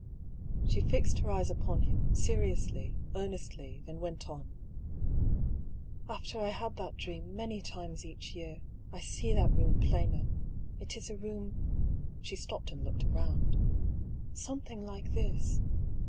She fixed her eyes upon him, seriously, earnestly ; then went on :" After I had that dream many times each year, I see that room plainer. It is a room" (she stopped and looked round) "something like this.